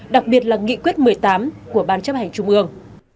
đặc biệt là nghị quyết một mươi tám của ban chấp hành trung ương